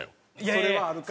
それはあるか。